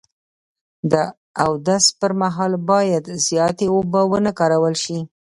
د اودس پر مهال باید زیاتې اوبه و نه کارول شي.